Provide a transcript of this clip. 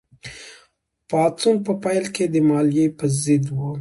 پاڅون په پیل کې د مالیې په ضد و.